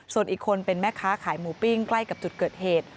ส่วนอีกคนเป็นแม่ค้าขายหมูปิ้งใกล้กับจุดเกิดเหตุ